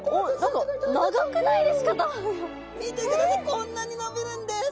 こんなに伸びるんです。